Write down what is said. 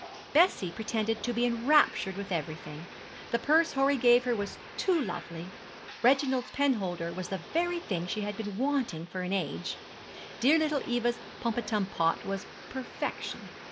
Bessie pretended to be enraptured with everything. The purse Horry gave her was 'too lovely.' Reginald's penholder was the very thing she had been wanting for an age. Dear little Eva's pomatum pot was perfection.